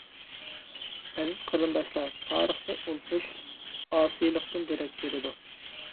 ئەزىز قېرىنداشلار، تارىخنى ئۇنتۇش ئاسىيلىقتىن دېرەك بېرىدۇ.